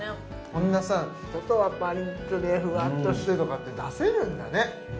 こんなさ外はパリッとでフワッとしてとかって出せるんだね